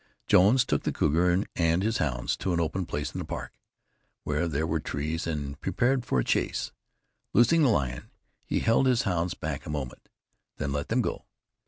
Jones took the cougar and his hounds to an open place in the park, where there were trees, and prepared for a chase. Loosing the lion, he held his hounds back a moment, then let them go.